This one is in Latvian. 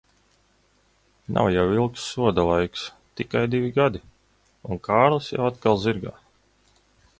Nav jau ilgs soda laiks, tikai divi gadi, un Kārlis jau atkal zirgā.